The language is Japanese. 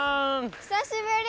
久しぶり！